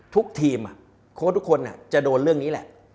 ทุกทีมโค้ชทุกคนจะโดนเรื่องนี้แหละ